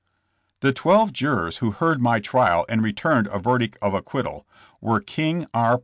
The twelve jurors who heard my trial and re turned a verdict of acquittal, were King R.